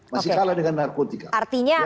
masih kalah dengan narkotika